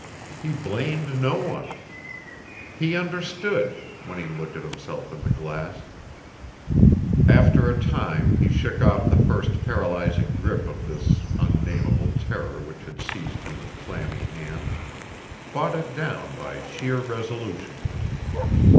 He blamed no one. He understood, when he looked at himself in the glass. After a time he shook off the first paralyzing grip of this unnameable terror which had seized him with clammy hands, fought it down by sheer resolution.